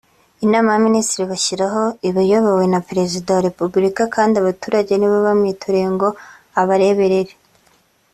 Inama y’Abaminisitiri ibashyiraho iba iyobowe na Perezida wa Repubulika kandi abaturage nibo bamwitoreye ngo abareberere